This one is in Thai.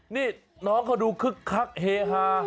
นี่น้องเขาดูคึกคักเฮฮา